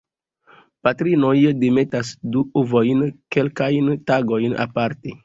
Patrinoj demetas du ovojn, kelkajn tagojn aparte.